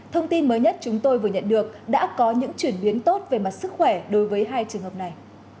thông tin mới nhất chúng tôi vừa nhận được đã có những chuyển biến tốt về mặt sức khỏe đối với hai trường hợp này